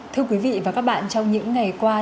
thưa quý vị và các bạn trong những ngày qua